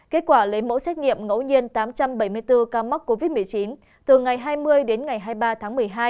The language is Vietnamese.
kết quả lấy mẫu xét nghiệm ngẫu nhiên tám trăm bảy mươi bốn ca mắc covid một mươi chín từ ngày hai mươi đến ngày hai mươi ba tháng một mươi hai